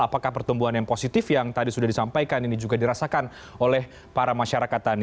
apakah pertumbuhan yang positif yang tadi sudah disampaikan ini juga dirasakan oleh para masyarakat tani